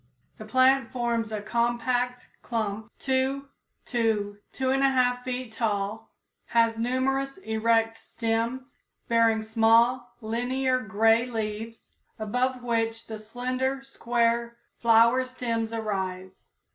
The plant forms a compact clump 2 to 2 1/2 feet tall, has numerous erect stems, bearing small, linear gray leaves, above which the slender, square, flower stems arise.